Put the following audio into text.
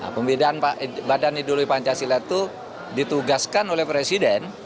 pembinaan badan ideologi pancasila itu ditugaskan oleh presiden